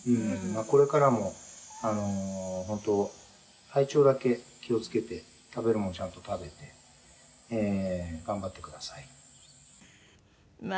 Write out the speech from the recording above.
「これからも本当体調だけ気を付けて食べるものちゃんと食べて頑張ってください」